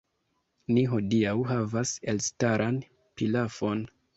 Ni hodiaŭ havas elstaran pilafon!